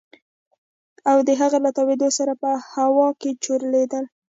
او د هغې له تاوېدو سره په هوا کښې چورلېدل.